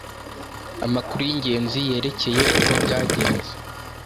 amakuru y ingenzi yerekeye uko byagenze